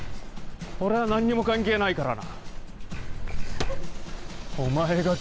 俺はなんにも関係ないからな。